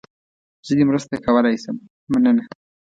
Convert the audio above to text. زه دې مرسته کولای شم، مننه.